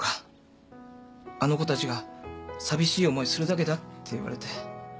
「あの子たちが寂しい思いするだけだ」って言われて。